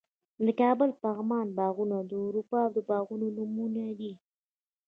د کابل پغمان باغونه د اروپا د باغونو نمونې دي